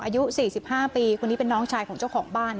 อายุ๔๕ปีคนนี้เป็นน้องชายของเจ้าของบ้าน